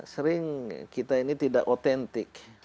sering kita ini tidak otentik